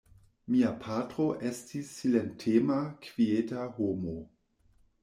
Mia patro estis silentema kvieta homo.